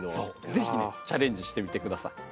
是非ねチャレンジしてみて下さい。